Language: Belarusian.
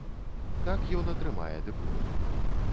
Так, ён атрымае дыплом.